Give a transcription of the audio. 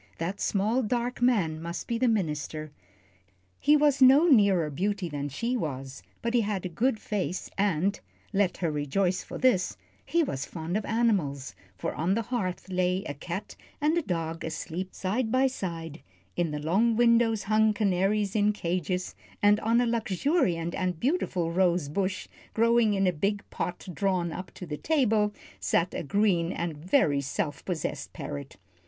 That small, dark man must be the minister. He was no nearer beauty than she was, but he had a good face, and let her rejoice for this he was fond of animals, for on the hearth lay a cat and a dog asleep side by side, in the long windows hung canaries in cages, and on a luxuriant and beautiful rose bush, growing in a big pot drawn up to the table, sat a green and very self possessed parrot.